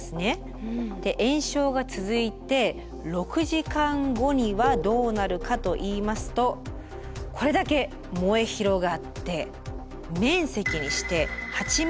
延焼が続いて６時間後にはどうなるかといいますとこれだけ燃え広がって。